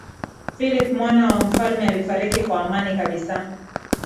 philip mwana wa mfalme alifariki kwa amani kabisa